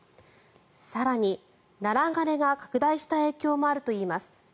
更に、ナラ枯れが拡大した影響もあるといいます。